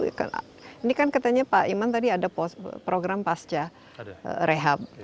ini kan katanya pak iman tadi ada program pasca rehab